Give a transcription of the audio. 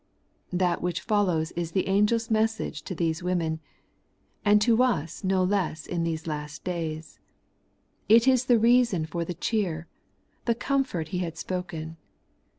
That which follows is the angel's message to these women ; and to us no less in these last days. It is the reason for the cheer, the comfort he had spoken.